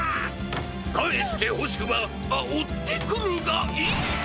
かえしてほしくばあおってくるがいいビ！